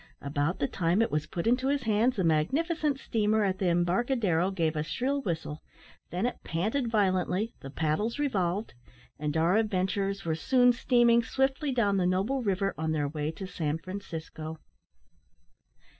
About the time it was put into his hands the magnificent steamer at the embarcadero gave a shrill whistle, then it panted violently, the paddles revolved, and our adventurers were soon steaming swiftly down the noble river on their way to San Francisco.